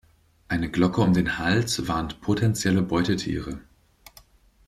Eine Glocke um den Hals warnt potenzielle Beutetiere.